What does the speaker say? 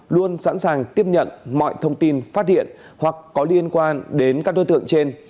một sáu trăm sáu mươi bảy luôn sẵn sàng tiếp nhận mọi thông tin phát hiện hoặc có liên quan đến các đối tượng trên